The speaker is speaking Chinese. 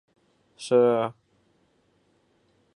鲁伊勒人口变化图示